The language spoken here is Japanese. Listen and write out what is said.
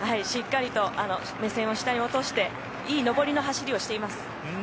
しっかりと目線を下に落としていい上りの走りをしています。